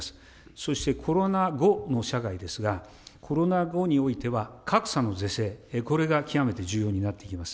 そしてコロナ後の社会ですが、コロナ後においては格差の是正、これが極めて重要になってきます。